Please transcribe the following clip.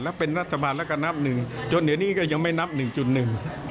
แล้วเป็นรัฐบาลแล้วก็นับหนึ่งจนเดี๋ยวนี้ก็ยังไม่นับหนึ่งจุดหนึ่ง